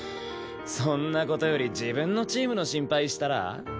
そんな事より自分のチームの心配したら？